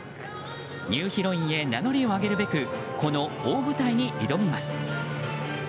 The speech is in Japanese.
ニューヒロインへ名乗りを上げるべくこの大舞台に挑みます。